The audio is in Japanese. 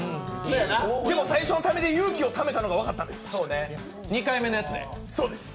でも、最初のためで、勇気をためたの分かったんです。